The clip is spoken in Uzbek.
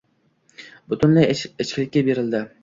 Butunlay ichkilikka berildi